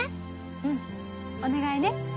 うんお願いね。